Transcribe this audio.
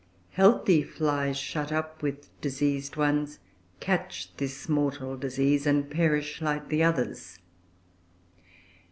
Healthy flies shut up with diseased ones catch this mortal disease, and perish like the others.